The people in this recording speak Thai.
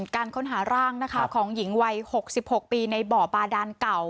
การค้นหาร่างนะคะของหญิงวัย๖๖ปีในบ่อบาดานเก่า